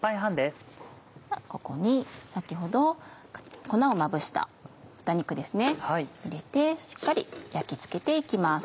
ここに先ほど粉をまぶした豚肉入れてしっかり焼き付けて行きます。